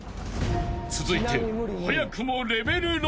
［続いて早くも］